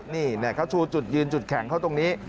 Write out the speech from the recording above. นี่เขาชูจุดยืนจุดแข็งเขาตรงนี้